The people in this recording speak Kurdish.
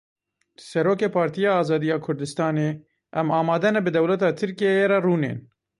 Serokê Partiya Azadiya Kurdistanê; em amade ne bi dewleta Tirkiyeyê re rûnên.